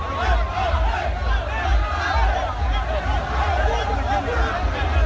ส่วนใหญ่เลยครับ